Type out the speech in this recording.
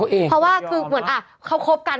เพราะว่าคือเหมือนเขาคบกัน